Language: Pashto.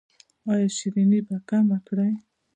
ایا شیریني به کمه کړئ؟